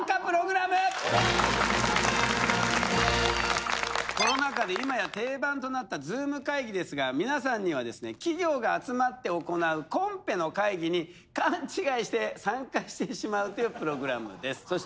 プログラムコロナ禍で今や定番となったＺｏｏｍ会議ですが皆さんにはですね企業が集まって行うコンペの会議に勘違いして参加してしまうというプログラムです